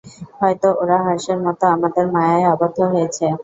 হয়তো ওরা হাসের মতো আমাদের মায়ায় আবদ্ধ হয়েছে।